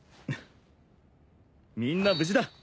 みんな無事だ！